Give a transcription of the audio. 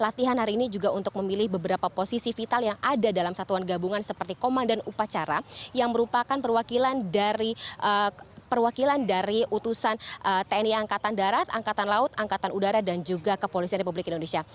latihan hari ini juga untuk memilih beberapa posisi vital yang ada dalam satuan gabungan seperti komandan upacara yang merupakan perwakilan dari perwakilan dari utusan tni angkatan darat angkatan laut angkatan udara dan juga kepolisian republik indonesia